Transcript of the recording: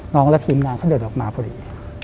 น้องและทีมนางเขาเดินออกมาพอดี